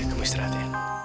kamu istirahat ya